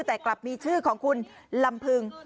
แต่กลับมีชื่อของคุณลำพึง